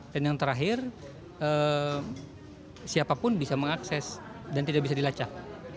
dan yang terakhir siapapun bisa mengakses dan tidak bisa dilacak